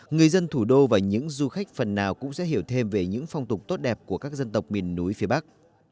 người dân thủ đô và những du khách phần nào cũng sẽ hiểu thêm về những phong tục tốt đẹp của các dân tộc miền núi phía bắc